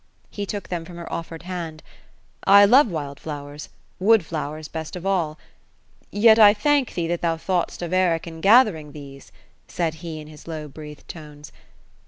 He took them from her offered hand. " I love wild flowers, — ^wood flowers, best of air Yet I thank thee, that thou though t'st of Eric in gathering these," said he, in his low breathed tones.